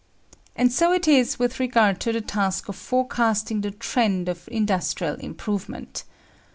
And so it is with regard to the task of forecasting the trend of industrial improvement.